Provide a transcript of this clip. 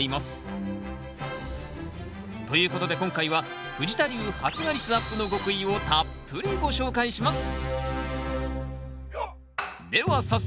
ということで今回は藤田流発芽率アップの極意をたっぷりご紹介します！